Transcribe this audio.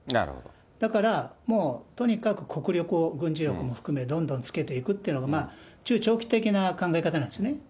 だから、もうとにかく国力を、軍事力も含め、どんどんつけていくっていうのが、中長期的な考え方なんですね。